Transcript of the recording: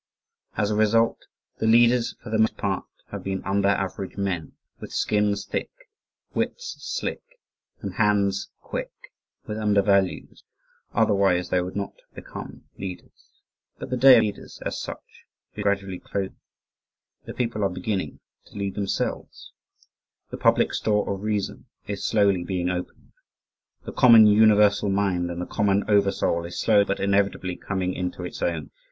As a result the leaders for the most part have been under average men, with skins thick, wits slick, and hands quick with under values, otherwise they would not have become leaders. But the day of leaders, as such, is gradually closing the people are beginning to lead themselves the public store of reason is slowly being opened the common universal mind and the common over soul is slowly but inevitably coming into its own.